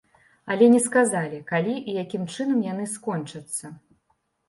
Але не сказалі, калі і якім чынам яны скончацца.